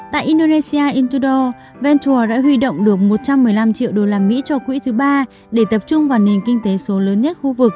tại indonesia intudo venture đã huy động được một trăm một mươi năm triệu usd cho quỹ thứ ba để tập trung vào nền kinh tế số lớn nhất khu vực